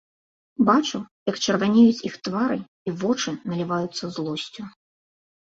Бачу, як чырванеюць іх твары і вочы наліваюцца злосцю.